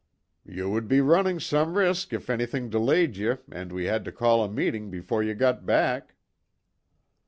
"Ye would be running some risk if anything delayed ye and we had to call a meeting before ye got back."